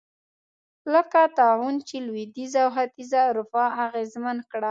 لکه طاعون چې لوېدیځه او ختیځه اروپا اغېزمن کړه.